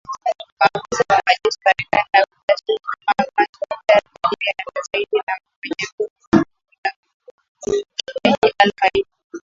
Maafisa wa jeshi la Marekani na kijasusi kama mshirika tajiri zaidi na mwenye nguvu wa kundi la kigaidi la al-Qaida.